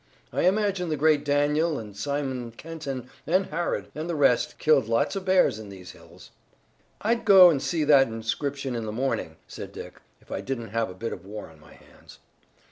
I imagine the great Daniel and Simon Kenton and Harrod and the rest killed lots of bears in these hills." "I'd go and see that inscription in the morning," said Dick, "if I didn't have a bit of war on my hands."